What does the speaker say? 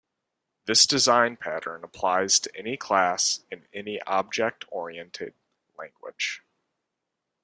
This design pattern applies to any class in any object oriented language.